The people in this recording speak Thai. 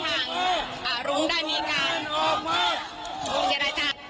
อารุงได้มีการ